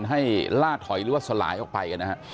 ให้ล่าเผลอหรือสลายออกไป